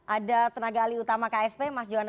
ada tenaga ahli utama ksp mas jokowi